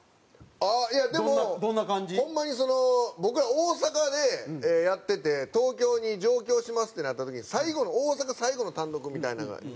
あっいやでもホンマに僕ら大阪でやってて東京に上京しますってなった時に大阪最後の単独みたいなのやったんですよ。